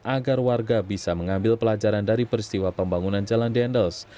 agar warga bisa mengambil pelajaran dari peristiwa pembangunan jalan dendels